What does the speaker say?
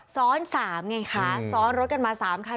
ซ้อน๓ไงคะซ้อนรถกันมา๓คัน